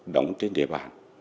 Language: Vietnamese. đóng trên đề bản